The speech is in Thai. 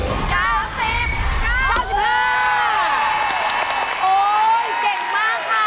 โอ๊ยเก่งมากค่ะ